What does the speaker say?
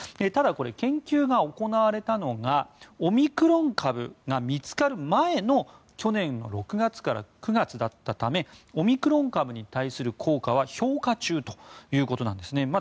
ただ、これは研究が行われたのがオミクロン株が見つかる前の去年６月から９月だったためオミクロン株に対する効果は評価中ということなんですね。